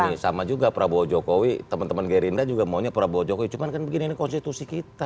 ini sama juga prabowo jokowi teman teman gerindra juga maunya prabowo jokowi cuman kan begini ini konstitusi kita